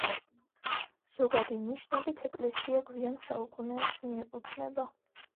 ზოგადი ნიშნებით ეკლესია გვიან საუკუნეებს მიეკუთვნება.